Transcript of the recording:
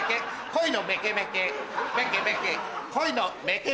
恋のメケメケ。